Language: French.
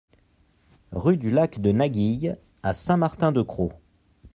Rue du Lac de Naguille à Saint-Martin-de-Crau